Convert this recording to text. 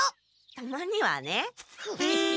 たまにはね。